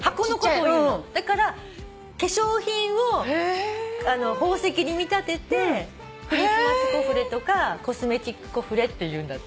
だから化粧品を宝石に見立てて「クリスマスコフレ」とか「コスメティックコフレ」って言うんだって。